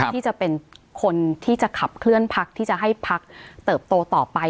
ที่จะเป็นคนที่จะขับเคลื่อนพักที่จะให้พักเติบโตต่อไป